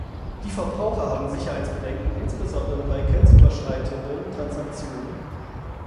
Die Verbraucher haben Sicherheitsbedenken, insbesondere bei grenzüberschreitenden Transaktionen.